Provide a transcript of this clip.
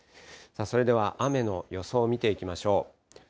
それでは雨の予想を見ていきましょう。